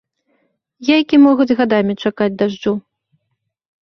Яйкі могуць гадамі чакаць дажджу.